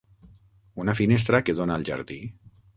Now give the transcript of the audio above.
Una finestra que dona al jardí.